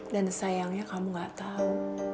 dan sayangnya kamu nggak tahu